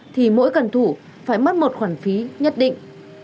thì mỗi cần thủ phải mất một khoản phí nhất định